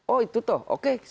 oh itu tuh oke